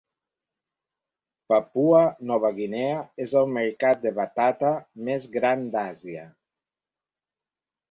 Papua Nova Guinea és el mercat de batata més gran d"Àsia.